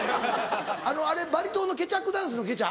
バリ島のケチャックダンスのケチャ？